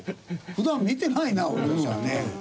普段見てないな俺たちはね。